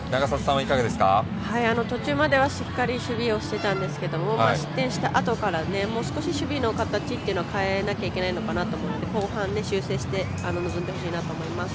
途中まではしっかり守備をしてたんですけど失点したあとからもう少し守備の形っていうのは変えなきゃいけないかなと思うので後半で修正して臨んでほしいなと思います。